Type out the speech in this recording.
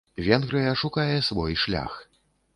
Венгрыя шукае свой шлях.